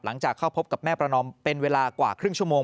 หลังจากเข้าพบกับแม่ประนอมเป็นเวลากว่าครึ่งชั่วโมง